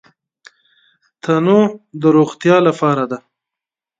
تنوع د روغتیا لپاره ده.